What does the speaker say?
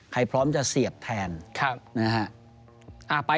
พร้อมจะเสียบแทนนะฮะ